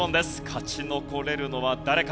勝ち残れるのは誰か？